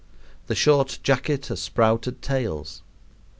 The short jacket has sprouted tails.